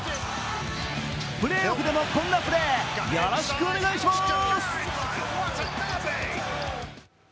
プレーオフでもこんなプレーよろしくお願いします。